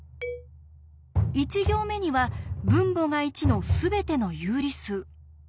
１行目には分母が１のすべての有理数。